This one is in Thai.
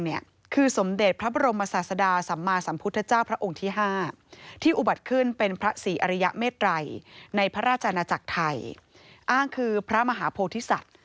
ในพระราชนาจักรไทยอ้างคือพระมหาโพธิสัตว์